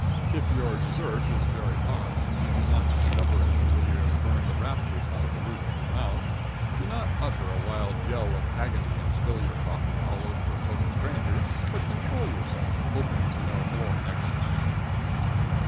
If your desert is very hot and you do not discover it until you have burned the rafters out of the roof of your mouth, do not utter a wild yell of agony and spill your coffee all over a total stranger, but control yourself, hoping to know more next time.